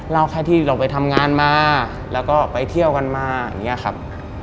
แค่ที่เราไปทำงานมาแล้วก็ไปเที่ยวกันมาอย่างนี้ครับ